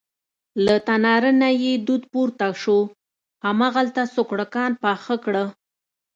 له تناره نه یې دود پورته شو، هماغلته سوکړکان پاخه کړه.